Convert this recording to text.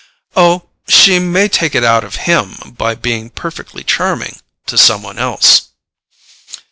"Oh, she may take it out of HIM by being perfectly charming—to some one else."